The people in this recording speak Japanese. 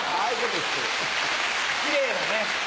キレイだね。